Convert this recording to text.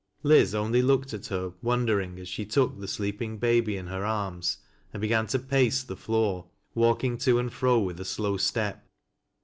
Liz only looked at her wondering as slie took the sleeping baby in her arms, and began to pace llie floor, walking to and fro with a slow step.